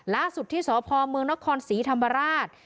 ล่าสุดที่สพเมืองนครศรีธรรมราช